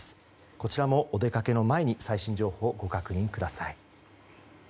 こちらもお出かけの前に最新情報をご確認ください。